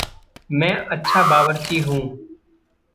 मैं अच्छा बावर्ची हूँ।